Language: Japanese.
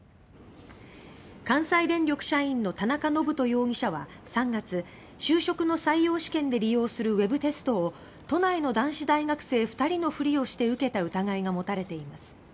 関西電力社員の田中信人容疑者は３月就職の採用試験で利用するウェブテストを都内の男子大学生２人のふりをして受けた疑いが持たれています。